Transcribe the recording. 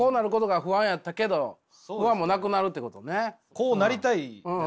こうなりたいです。